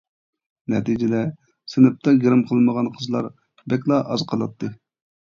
نەتىجىدە سىنىپتا گىرىم قىلمىغان قىزلار بەكلا ئاز قالاتتى.